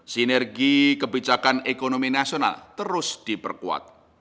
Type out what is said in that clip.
sinergi kebijakan ekonomi nasional terus diperkuat